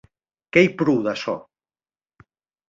Qu’ei pro d’açò.